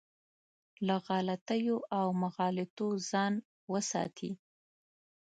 له غلطیو او مغالطو ځان وساتي.